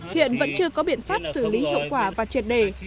hiện vẫn chưa có biện pháp xử lý hiệu quả và triệt đề